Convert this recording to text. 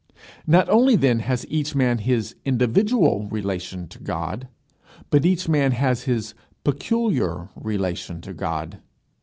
Not only then has each man his individual relation to God, but each man has his peculiar relation to God.